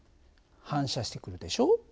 反射してくるでしょ？